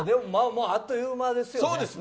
あっという間ですよね。